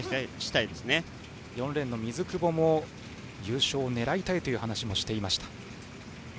４レーンの水久保も優勝を狙いたいという話もしていました。